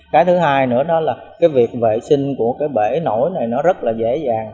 cái thứ hai nữa đó là cái việc vệ sinh của cái bể nổi này nó rất là dễ dàng